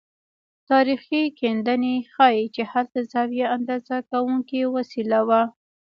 تاریخي کیندنې ښيي چې هلته زاویه اندازه کوونکې وسیله وه.